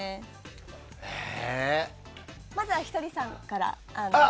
まずは、ひとりさんから。